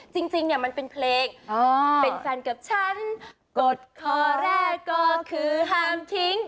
จริงเนี่ยมันเป็นเพลงเป็นแฟนกับฉันกดคอแรกก็คือห้ามทิ้ง